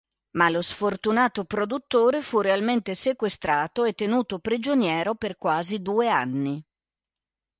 Ma lo sfortunato produttore fu realmente sequestrato e tenuto prigioniero per quasi due anni.